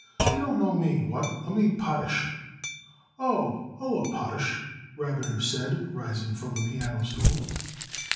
"You don't know me. What? I'm Abe Potash." "Oh, hello, Potash!" Rabiner said, rising from the piano stool.